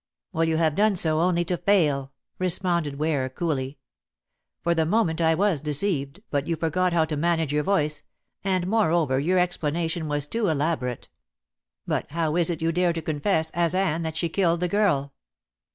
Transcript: "Well, you have done so only to fail," responded Ware coolly. "For the moment I was deceived, but you forgot how to manage your voice, and, moreover, your explanation was too elaborate. But how is it you dare to confess, as Anne, that she killed the girl?"